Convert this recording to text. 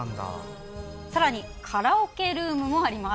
さらにカラオケルームもあります。